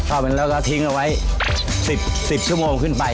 เอาไปแล้วก็ทิ้งเอาไว้๑๐ชั่วโมงขึ้นไป